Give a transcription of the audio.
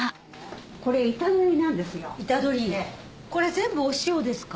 イタドリこれ全部お塩ですか？